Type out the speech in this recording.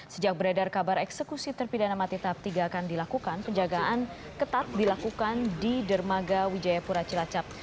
sejak beredar kabar eksekusi terpidana mati tahap tiga akan dilakukan penjagaan ketat dilakukan di dermaga wijayapura cilacap